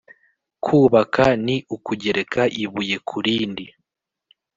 kubaka ni ukugereka ibuye ku rindi